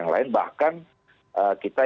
yang lain bahkan kita